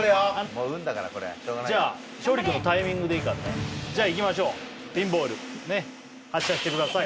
もう運だからこれ昇利君のタイミングでいいからねじゃあいきましょうピンボール発射してください